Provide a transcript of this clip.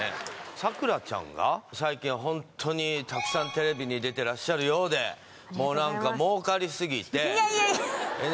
咲楽ちゃんが最近はホントにたくさんテレビに出てらっしゃるようでもう何かもうかりすぎていやいやいや何？